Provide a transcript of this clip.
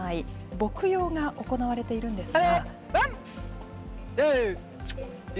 牧羊が行われているんですが。